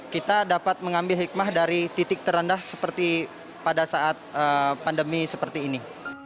kita dapat mengambil hikmah dari titik terendah seperti pada saat pandemi seperti ini